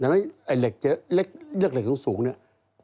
แล้วเล็กของสูงเนี่ย